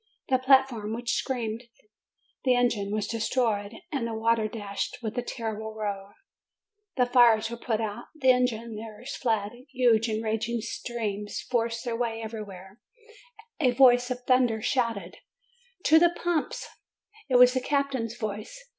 The platform which THE SHIPWRECK 335 screened the engine was destroyed, and the water dashed in with a terrible roar; the fires were put out; the engineers fled; huge and raging streams forced their way everywhere. A voice of thunder shouted: "To the pumps!" It was the captain's voice.